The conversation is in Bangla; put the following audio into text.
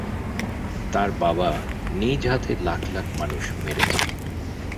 তার বাবা নিজ হাতে লাখ লাখ মানুষ মেরেছে!